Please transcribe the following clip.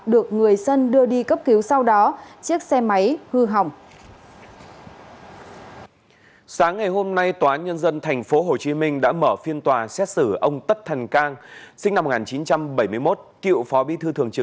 được người dân đưa đi cấp cứu sau đó chiếc xe máy hư hỏng